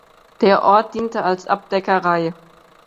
Der Ort diente als Abdeckerei.